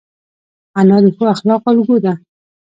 انا د ښو اخلاقو الګو ده